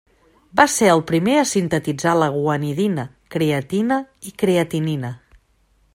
Va ser el primer a sintetitzar la guanidina, creatina i creatinina.